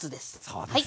そうですね。